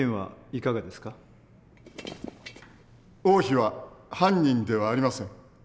王妃は犯人ではありません。